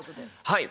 はい。